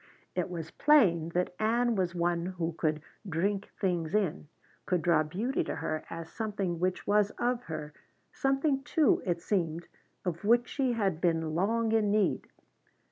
It was plain that Ann was one who could drink things in, could draw beauty to her as something which was of her, something, too, it seemed, of which she had been long in need.